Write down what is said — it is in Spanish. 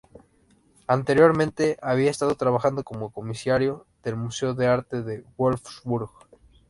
Anteriormente había estado trabajando como comisario en el museo de arte de Wolfsburg.